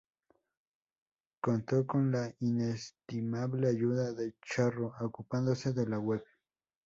Contó con la inestimable ayuda de "Charro", ocupándose de la web.